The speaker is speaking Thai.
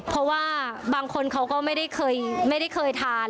เพราะว่าบางคนเขาก็ไม่ได้เคยทาน